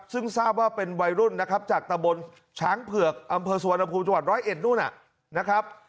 ซึ่งทราบว่าเป็นวัยรุ่นนะครับจากตะบนช้างเผือกอำเภอสุวรรณภูมิจังหวัดร้อยเอ็ดนู่นนะครับ